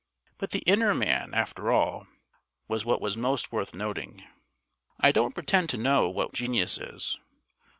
But the inner man, after all, was what was most worth noting. I don't pretend to know what genius is.